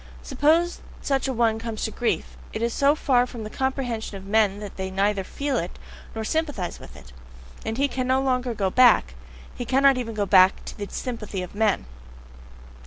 Supposing such a one comes to grief, it is so far from the comprehension of men that they neither feel it, nor sympathize with it. And he cannot any longer go back! He cannot even go back again to the sympathy of men!